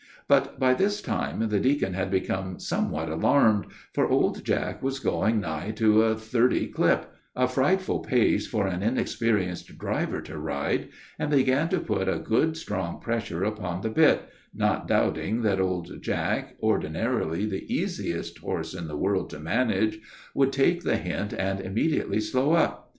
By this time the deacon had become somewhat alarmed, for Jack was going nigh to a thirty clip, a frightful pace for an inexperienced man to ride, and began to put a good strong pressure upon the bit, not doubting that old Jack ordinarily the easiest horse in the world to manage would take the hint and immediately slow up.